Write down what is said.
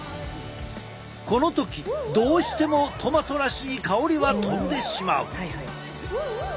この時どうしてもトマトらしい香りは飛んでしまう。